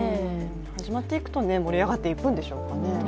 始まっていくと盛り上がっていくんでしょうか？